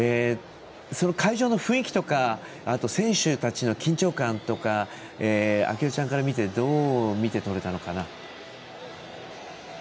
会場の雰囲気とか選手たちの緊張感とか啓代ちゃんから見てどう見てとれたのかな？